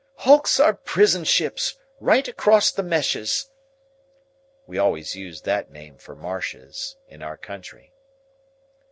Hulks are prison ships, right 'cross th' meshes." We always used that name for marshes, in our country.